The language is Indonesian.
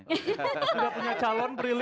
sudah punya calon prilly